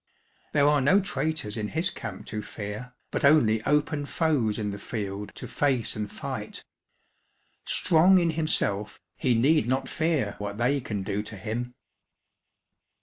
There are no traitors in his camp to fear, but only open foes in the field to face and fight. Strong in himself, he need not fear what they can do to him.